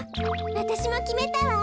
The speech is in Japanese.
わたしもきめたわ。